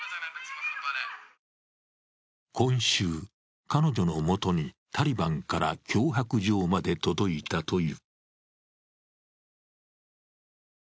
今週、彼女のもとにタリバンから脅迫状まで届いたという。